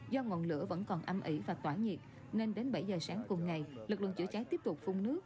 do ngọn lửa vẫn còn âm ỉ và tỏa nhiệt nên đến bảy giờ sáng cùng ngày lực lượng chữa cháy tiếp tục phun nước